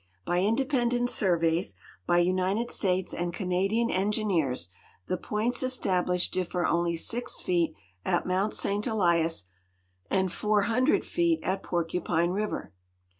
By independent surveys, bj'^ United States and Canadian engineers, the points established differ onh' six feet at ]\Iount St. Elias and 400 feet at Porcupine river.